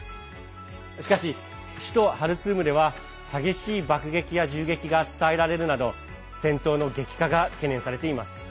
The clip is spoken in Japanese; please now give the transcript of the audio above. しかし、首都ハルツームでは激しい爆撃や銃撃が伝えられるなど戦闘の激化が懸念されています。